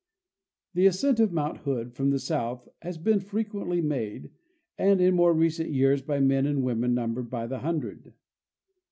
The ascent of mount Hood from the south has been fr equently made, and in more recent years by men and women numbered by the hundred.